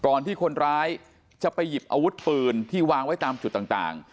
ที่คนร้ายจะไปหยิบอาวุธปืนที่วางไว้ตามจุดต่าง